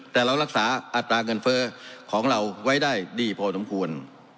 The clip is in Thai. แต่เรารักษาอัตราเงินเฟ้อของเราไว้ได้ดีพอสมควร